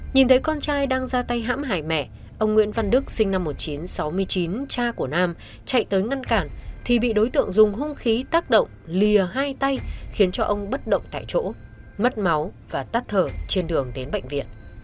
nhìn thấy con trai đang ra tay hãm hải mẹ ông nguyễn văn đức sinh năm một nghìn chín trăm sáu mươi chín cha của nam chạy tới ngăn cản thì bị đối tượng dùng hung khí tác động lìa hai tay khiến cho ông bất động tại chỗ mất máu và tắt thở trên đường đến bệnh viện